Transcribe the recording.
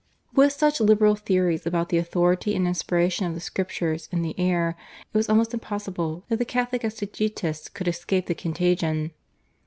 With such liberal theories about the authority and inspiration of the Scriptures in the air it was almost impossible that the Catholic exegetists could escape the contagion.